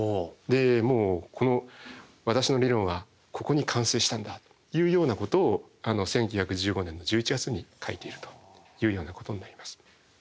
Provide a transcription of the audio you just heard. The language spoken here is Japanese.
もう私の理論はここに完成したんだというようなことを１９１５年の１１月に書いているというようなことになります。